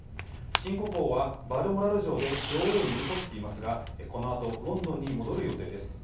新国王はバルモラル城で女王に寄り添っていますが、このあと、ロンドンに戻る予定です。